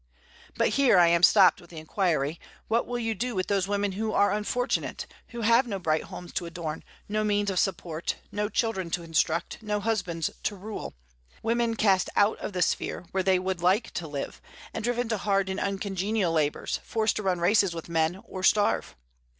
But here I am stopped with the inquiry, What will you do with those women who are unfortunate, who have no bright homes to adorn, no means of support, no children to instruct, no husbands to rule: women cast out of the sphere where they would like to live, and driven to hard and uncongenial labors, forced to run races with men, or starve?